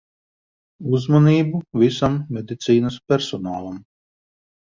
Uzmanību visam medicīnas personālam.